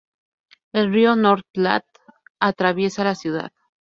El río North Platte atraviesa la ciudad.